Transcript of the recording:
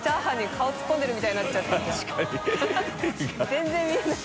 全然見えない。